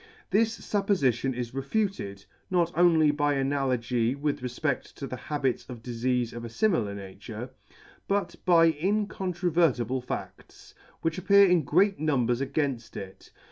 This fuppofition is refuted, not only by analogy with refpedt to the habits of difeafes of a frmilar nature, but by in controvertible fa£ts, which appear in great numbers againft it.